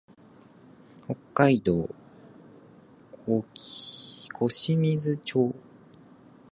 北海道小清水町